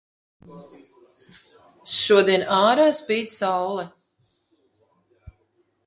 Jaunais regulējums vienā mirklī nepieliks punktu šai atkarībai, taču tas padarīs attiecības pārredzamākas.